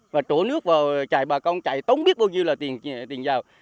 và trổ nước vào chạy bà con chạy tốn biết bao nhiêu là tiền giàu